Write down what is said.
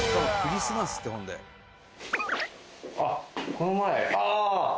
この前あ！